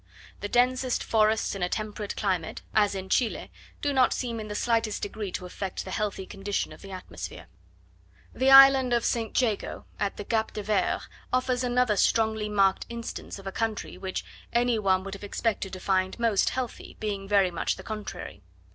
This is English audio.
The densest forests in a temperate climate, as in Chiloe, do not seem in the slightest degree to affect the healthy condition of the atmosphere. The island of St. Jago, at the Cape de Verds, offers another strongly marked instance of a country, which any one would have expected to find most healthy, being very much the contrary.